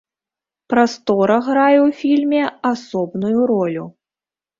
Прастора грае ў фільме асобную ролю.